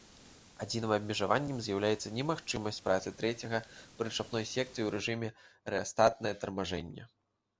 Адзіным абмежаваннем з'яўляецца немагчымасць працы трэцяга прычапной секцыі ў рэжыме рэастатнае тармажэння.